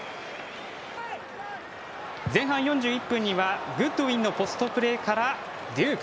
前半４１分にはグッドウィンのポストプレーからデューク。